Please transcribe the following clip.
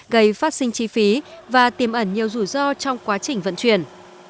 gây phát sinh chi phí và tìm ẩn nhiều rủi ro trong quá trình vận chuyển